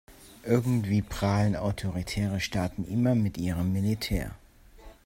Irgendwie prahlen autoritäre Staaten immer mit ihrem Militär.